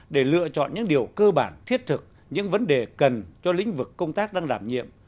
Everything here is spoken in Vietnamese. để lựa chọn những điều cơ bản thiết thực những vấn đề cần cho lĩnh vực công tác đang đảm nhiệm